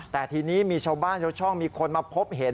แต่ทีนี้มีชาวบ้านชาวช่องมีคนมาพบเห็น